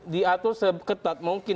diatur seketat mungkin